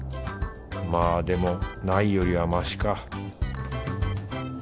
まあでもないよりはマシか